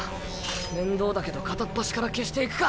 面倒だけど片っ端から消していくか。